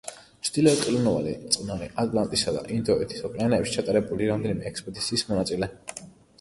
ჩრდილოეთ ყინულოვანი, წყნარი, ატლანტისა და ინდოეთის ოკეანეებში ჩატარებული რამდენიმე ექსპედიციის მონაწილე.